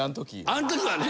あの時はね。